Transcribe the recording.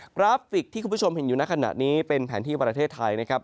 กราฟิกที่คุณผู้ชมเห็นอยู่ในขณะนี้เป็นแผนที่ประเทศไทยนะครับ